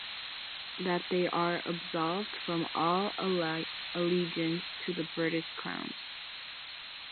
that they are Absolved from all Allegiance to the British Crown